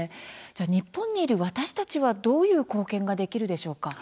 日本にいる私たちはどういう貢献ができるでしょうか。